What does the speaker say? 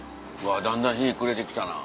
だんだん日暮れてきたな。